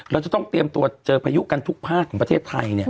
เราจะต้องเตรียมตัวเจอพายุกันทุกภาคของประเทศไทย